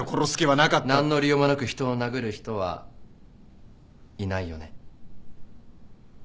何の理由もなく人を殴る人はいないよね。